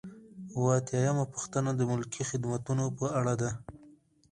اووه اتیا یمه پوښتنه د ملکي خدمتونو په اړه ده.